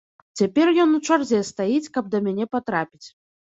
Цяпер ён у чарзе стаіць, каб да мяне патрапіць.